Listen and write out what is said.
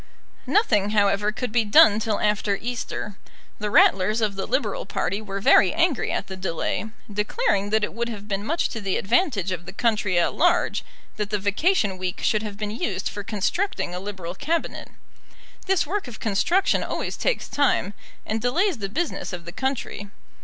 Nothing, however, could be done till after Easter. The Ratlers of the Liberal party were very angry at the delay, declaring that it would have been much to the advantage of the country at large that the vacation week should have been used for constructing a Liberal Cabinet. This work of construction always takes time, and delays the business of the country.